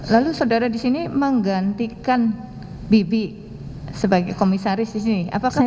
lalu saudara di sini menggantikan bibi sebagai komisaris di sini